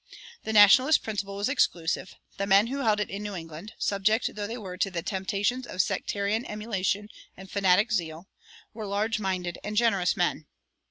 The Nationalist principle was exclusive; the men who held it in New England (subject though they were to the temptations of sectarian emulation and fanatic zeal) were large minded and generous men.